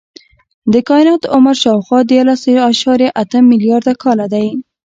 د کائنات عمر شاوخوا دیارلس اعشاریه اته ملیارده کاله دی.